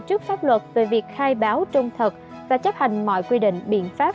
trước pháp luật về việc khai báo trung thật và chấp hành mọi quy định biện pháp